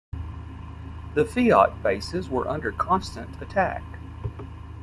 The Fiat bases were under constant attack.